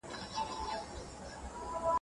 ګاونډی هیواد سرحدي امنیت نه کمزوری کوي.